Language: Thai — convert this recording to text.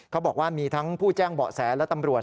เขาบอกว่ามีทั้งผู้แจ้งเบาะแสและตำรวจ